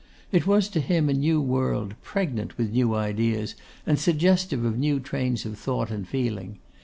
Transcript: It was to him a new world, pregnant with new ideas, and suggestive of new trains of thought and feeling.